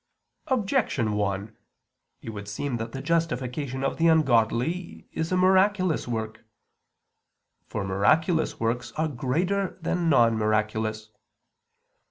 Objection 1: It would seem that the justification of the ungodly is a miraculous work. For miraculous works are greater than non miraculous.